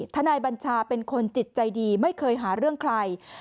นายบัญชาเป็นคนจิตใจดีไม่เคยหาเรื่องใคร